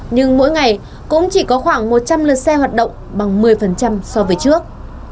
nhưng mỗi ngày cũng chỉ có khoảng một trăm linh lượt xe hoạt động bằng một mươi so với trước